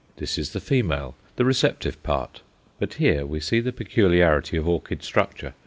This is the female, the receptive part; but here we see the peculiarity of orchid structure.